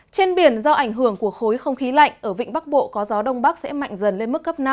trên biển do ảnh hưởng của khối không khí lạnh ở vịnh bắc bộ có gió đông bắc sẽ mạnh dần lên mức cấp năm